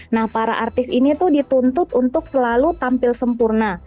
nah para artis ini tuh dituntut untuk selalu tampil sempurna